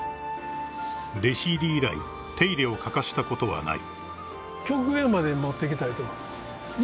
［弟子入り以来手入れを欠かしたことはない］